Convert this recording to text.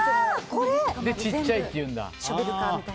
で、ちっちゃいって言うんだ。